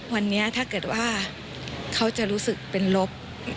วันนี้ถ้าเกิดว่าเขาจะรู้สึกเป็นลบ